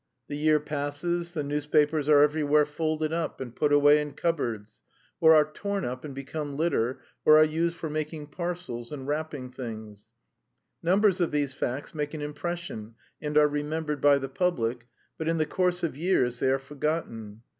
The year passes, the newspapers are everywhere folded up and put away in cupboards, or are torn up and become litter, or are used for making parcels or wrapping things. Numbers of these facts make an impression and are remembered by the public, but in the course of years they are forgotten.